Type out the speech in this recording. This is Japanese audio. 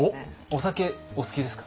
お酒お好きですか？